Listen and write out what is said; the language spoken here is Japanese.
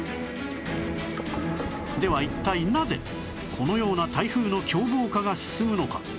では一体なぜこのような台風の凶暴化が進むのか？